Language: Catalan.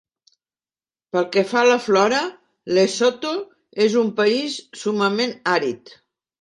Pel que fa a la flora, Lesotho és un país summament àrid.